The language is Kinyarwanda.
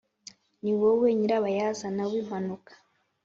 niwowe nyirabayazana w'impanuka.